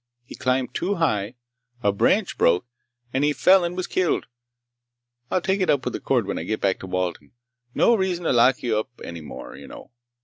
He climbed too high, a branch broke, and he fell and was killed. I'll take it up with the court when I get back to Walden. No reason to lock you up any more, you know.